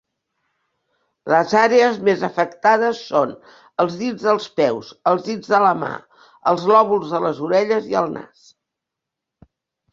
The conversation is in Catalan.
Les àrees més afectades són els dits dels peus, els dits de la mà, els lòbuls de les orelles, i el nas.